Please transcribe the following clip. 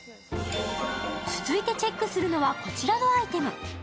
続いてチェックするのはこちらのアイテム。